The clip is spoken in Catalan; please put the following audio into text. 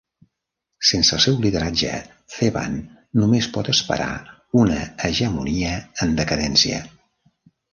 Sense el seu lideratge, Theban només pot esperar una hegemonia en decadència.